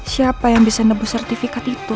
siapa yang bisa nebu sertifikat itu